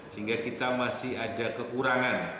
sehingga kita masih ada kekurangan